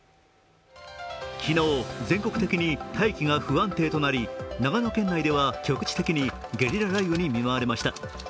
昨日、全国的に大気が不安定となり長野県内では局地的にゲリラ雷雨に見舞われました。